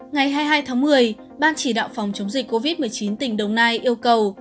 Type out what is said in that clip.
ngày hai mươi hai tháng một mươi ban chỉ đạo phòng chống dịch covid một mươi chín tỉnh đồng nai yêu cầu